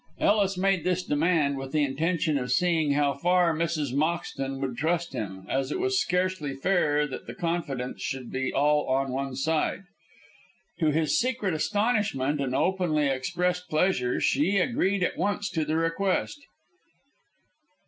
Ellis made this demand with the intention of seeing how far Mrs. Moxton would trust him, as it was scarcely fair that the confidence should be all on one side. To his secret astonishment and openly expressed pleasure, she agreed at once to the request.